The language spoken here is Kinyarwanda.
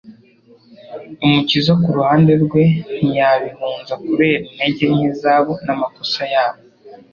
Umukiza ku ruhande rwe ntiyabihunza kubera intege nke zabo n'amakosa yabo.